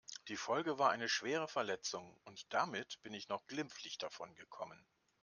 Die Folge war eine schwere Verletzung und damit bin ich noch glimpflich davon gekommen.